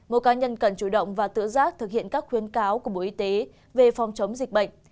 mỗi cá nhân cần chủ động và tự giác thực hiện các khuyến cáo của bộ y tế về phòng chống dịch bệnh